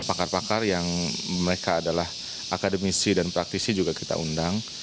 pakar pakar yang mereka adalah akademisi dan praktisi juga kita undang